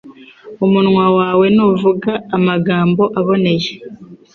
umunwa wawe nuvuga amagambo aboneye